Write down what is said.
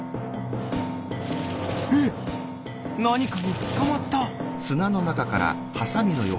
えっなにかにつかまった！